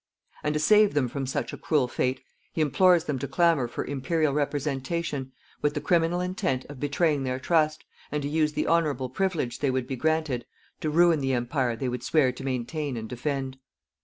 And to save them from such a cruel fate, he implores them to clamour for Imperial representation with the criminal intent of betraying their trust, and to use the honourable privilege they would be granted to ruin the Empire they would swear to maintain and defend.